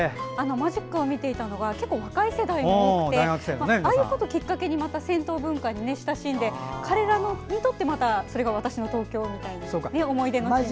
マジックを見ていたのが若い世代の方でああいうことをきっかけに銭湯文化に親しんで彼らにとってまた「＃わたしの東京」みたいな思い出の場所に。